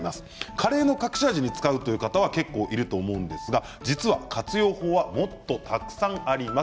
カレーの隠し味に使うという方は結構いると思うんですが実は活用法はもっとたくさんあります。